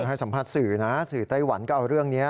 ให้สัมภาษณ์สื่อนะสื่อไต้หวันก็เอาเรื่องนี้